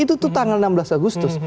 itu tuh tanggal enam belas agustus